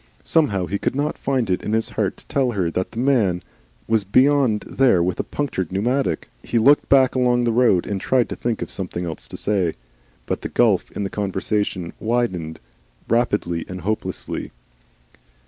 Somehow he could not find it in his heart to tell her that the man was beyond there with a punctured pneumatic. He looked back along the road and tried to think of something else to say. But the gulf in the conversation widened rapidly and hopelessly.